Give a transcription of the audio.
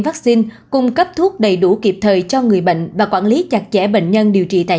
vaccine cung cấp thuốc đầy đủ kịp thời cho người bệnh và quản lý chặt chẽ bệnh nhân điều trị tại